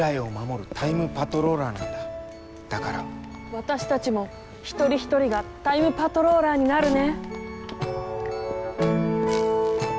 私たちも一人一人がタイムパトローラーになるね。